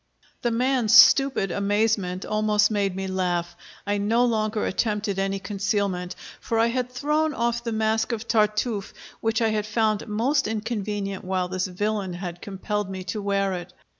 The man's stupid amazement almost made me laugh. I no longer attempted any concealment, for I had thrown off the mask of Tartuffe, which I had found most inconvenient while this villain had compelled me to wear it.